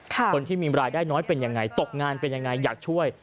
คนที่มีรายได้น้อยเป็นยังไงตกงานเป็นยังไงอยากช่วย